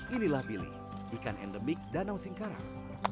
ini adalah bilik ikan endemik danau singkaran